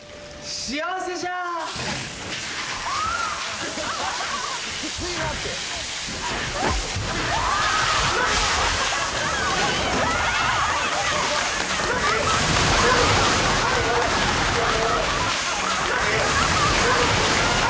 「幸せじゃ」何！？